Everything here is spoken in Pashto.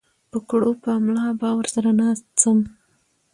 په کړوپه ملا به ورسره ناڅم